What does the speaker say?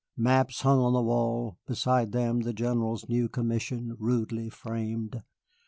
Maps hung on the wall, beside them the General's new commission, rudely framed.